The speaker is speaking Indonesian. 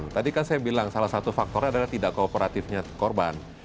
tadi kan saya bilang salah satu faktornya adalah tidak kooperatifnya korban